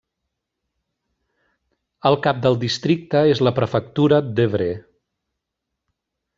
El cap del districte és la prefectura d'Évreux.